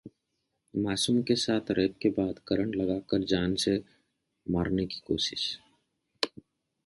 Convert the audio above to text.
मासूम के साथ रेप के बाद करंट लगाकर जान से मारने की कोशिश